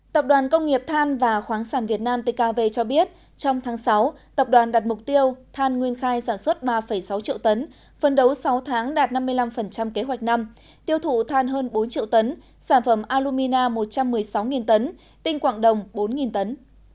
tập đoàn công nghiệp than và khoáng sản việt nam tkv cho biết trong tháng sáu tập đoàn đặt mục tiêu than nguyên khai sản xuất ba sáu triệu tấn phân đấu sáu tháng đạt năm mươi năm kế hoạch năm tiêu thụ than hơn bốn triệu tấn sản phẩm alumina một trăm một mươi sáu tấn tinh quảng đồng bốn tấn